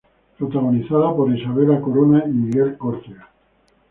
Protagonizada por Isabela Corona y Miguel Córcega.